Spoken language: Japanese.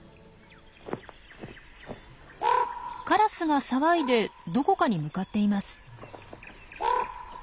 カラスが騒いでどこかに向かっています。